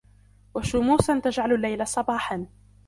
و شموسا تجعل الليل صباحا